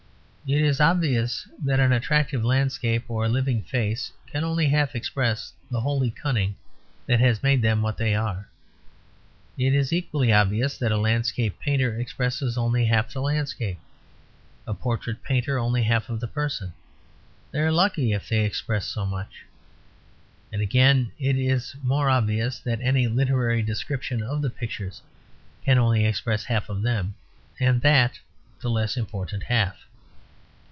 It is obvious that an attractive landscape or a living face can only half express the holy cunning that has made them what they are. It is equally obvious that a landscape painter expresses only half of the landscape; a portrait painter only half of the person; they are lucky if they express so much. And again it is yet more obvious that any literary description of the pictures can only express half of them, and that the less important half.